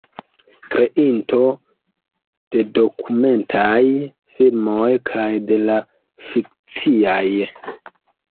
Kreinto de dokumentaj filmoj kaj de la fikciaj.